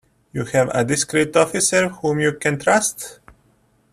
You have a discreet officer whom you can trust?